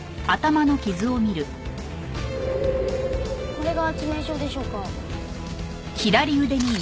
これが致命傷でしょうか？